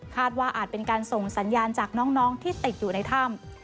ว่าอาจเป็นการส่งสัญญาณจากน้องที่ติดอยู่ในถ้ำ